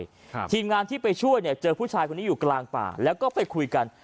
ครับทีมงานที่ไปช่วยเนี่ยเจอผู้ชายคนนี้อยู่กลางป่าแล้วก็ไปคุยกัน